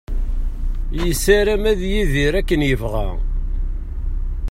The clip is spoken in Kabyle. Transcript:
Yessaram ad yidir akken yebɣa.